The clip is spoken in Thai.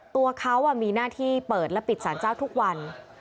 ตัวเขามีหน้าที่เปิดและปิดสารเจ้าทุกวัน